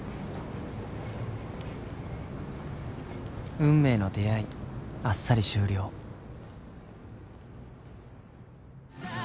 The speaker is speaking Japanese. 運命の出会いあっさり終了さぁ、